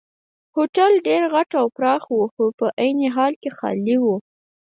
هوټل ډېر غټ او پراخه وو خو په عین حال کې خالي وو.